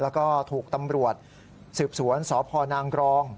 แล้วก็ถูกตำรวจสืบสวนสพนางกรอง